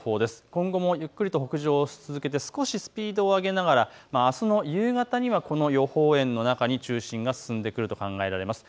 今後もゆっくりと北上を続けて少しスピードを上げながらあすの夕方にはこの予報円の中に中心が進んでくると考えられます。